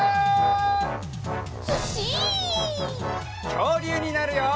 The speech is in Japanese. きょうりゅうになるよ！